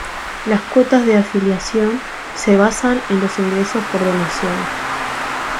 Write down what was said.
Las cuotas de afiliación se basan en los ingresos por donaciones.